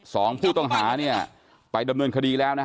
สองผู้ต้องหาเนี่ยไปดำเนินคดีแล้วนะฮะ